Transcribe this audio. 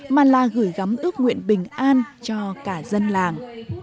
mà là gửi gắm ước nguyện bình an cho cả dân làng